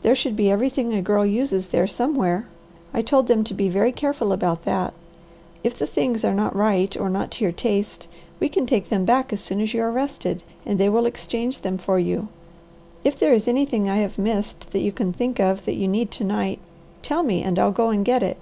There should be everything a girl uses there somewhere. I told them to be very careful about that. If the things are not right or not to your taste, you can take them back as soon as you are rested, and they will exchange them for you. If there is anything I have missed that you can think of that you need to night, tell me and I'll go and get it."